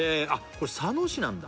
これ佐野市なんだ